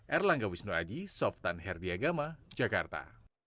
erlangga wisnu aji softan herdiagama jakarta